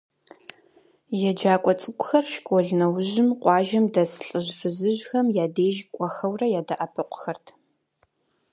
Еджакӏуэ цӏыкӏухэр школ нэужьым къуажэм дэс лӏыжь-фызыжьхэм я деж кӏуэхэурэ, ядэӏэпыкъухэрт.